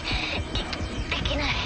息できない。